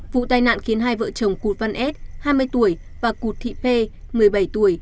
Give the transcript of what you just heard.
vụ tai nạn khiến hai vợ chồng cụt văn s hai mươi tuổi và cụt thị p một mươi bảy tuổi